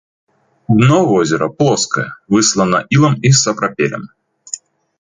Дно возера плоскае, выслана ілам і сапрапелем.